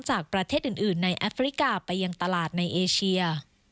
จากประเทศอื่นในแอฟริกาไปยังตลาดในเอเชีย